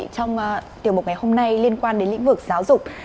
trong tiểu mục ngày hôm nay liên quan đến lĩnh vực giáo dục